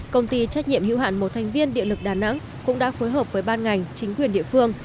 công ty trách nhiệm hữu hạn một thành viên địa lực đà nẵng cũng đã phối hợp với ban ngành chính quyền địa phương